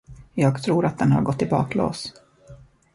Jag tror att den har gått i baklås.